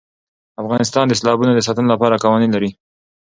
افغانستان د سیلابونه د ساتنې لپاره قوانین لري.